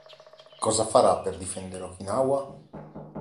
Cosa farà per difendere Okinawa?".